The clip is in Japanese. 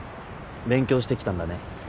勉強してきたんだね。